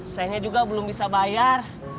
saya juga belum bisa bayar